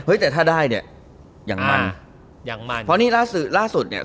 เฮ้ยแต่ถ้าได้เนี่ยอย่างมันเพราะนี่ล่าสุดเนี่ย